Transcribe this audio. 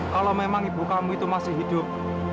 kalau memang ibu kamu itu masih hidup